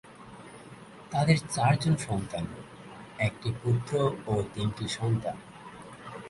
তাদের চারজন সন্তান: একটি পুত্র ও তিনটি সন্তান।